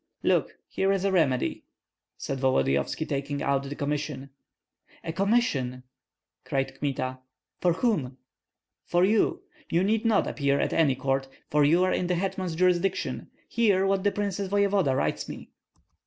"Look, here is a remedy!" said Volodyovski, taking out the commission. "A commission!" cried Kmita; "for whom?" "For you! You need not appear at any court, for you are in the hetman's jurisdiction. Hear what the prince voevoda writes me."